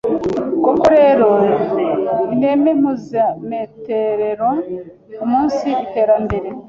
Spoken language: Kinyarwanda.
Koko rero, Ineme Mpuzemetorero umunsi Iterembere